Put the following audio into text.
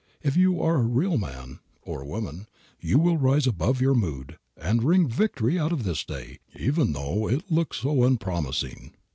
If you are a real man (or woman) you will rise above your mood and wring victory out of this day, even though it looks so unpromising.